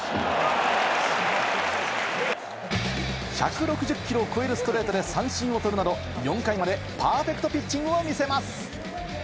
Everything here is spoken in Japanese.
１６０キロを超えるストレートで三振を取るなど４回までパーフェクトピッチングを見せます。